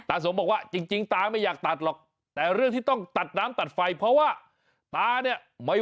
สมบอกว่าจริงตาไม่อยากตัดหรอกแต่เรื่องที่ต้องตัดน้ำตัดไฟเพราะว่าตาเนี่ยไม่